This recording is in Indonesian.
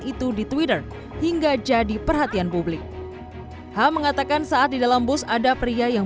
itu di twitter hingga jadi perhatian publik h mengatakan saat di dalam bus ada pria yang